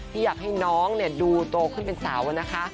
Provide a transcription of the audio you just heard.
ที่อยากให้น้องดูโตขึ้นเป็นเสานะคะ